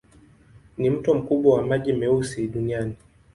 Ni mto mkubwa wa maji meusi duniani.